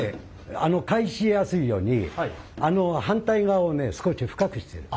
返しやすいように反対側をね少し深くしてる。